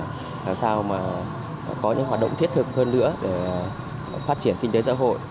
làm sao mà có những hoạt động thiết thực hơn nữa để phát triển kinh tế xã hội